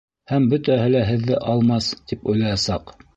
Һәм бөтәһе лә һеҙҙе Алмас тип уйлаясаҡ!